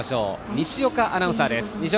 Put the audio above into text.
西岡アナウンサーです。